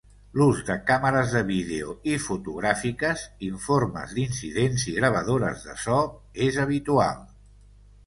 L'ús de càmeres de vídeo i fotogràfiques, informes d'incidents i gravadores de so és habitual.